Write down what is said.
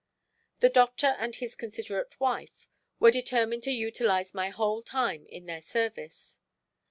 The Doctor and his considerate wife were determined to utilize my whole time in their service.